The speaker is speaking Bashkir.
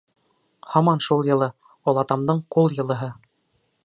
Һаман шул йылы, олатамдың ҡул йылыһы.